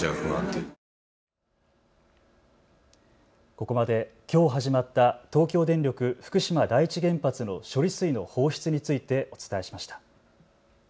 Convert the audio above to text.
ここまできょう始まった東京電力福島第一原発の処理水の放出についてお伝えしました。